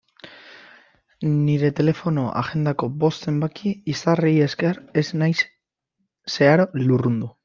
Nire telefono-agendako bost zenbaki izarrei esker ez naiz zeharo lurrundu.